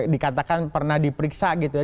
dikatakan pernah diperiksa gitu ya